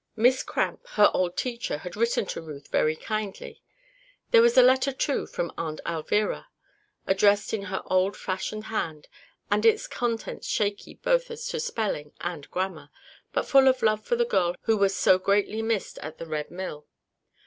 Miss Cramp, her old teacher, had written to Ruth very kindly. There was a letter, too, from Aunt Alvirah, addressed in her old fashioned hand, and its contents shaky both as to spelling and grammar, but full of love for the girl who was so greatly missed at the Red Mill.